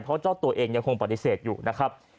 เพราะเจ้าตัวเองยังคงปฏิเสธอยู่นะครับ